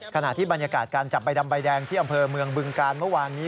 ขณะที่บรรยากาศการจับใบดำใบแดงที่อำเภอเมืองบึงการเมื่อวานนี้